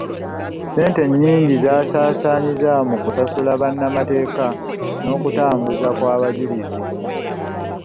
Ssente nnyingi zaasaasaaanyizibwa mu kusasula bannamateeka n'okutambuza kw'abajulizi.